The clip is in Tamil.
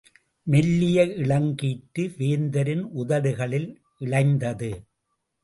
மெல்லிய இளங்கீற்று, வேந்தரின் உதடுகளில் இழைந்தது.